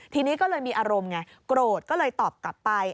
ทีนี้ก็เลยมีอารมณ์ไงโกรธก็เลยตอบกลับไป